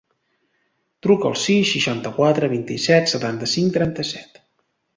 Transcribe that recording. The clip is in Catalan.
Truca al sis, seixanta-quatre, vint-i-set, setanta-cinc, trenta-set.